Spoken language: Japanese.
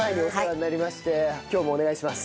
今日もお願いします。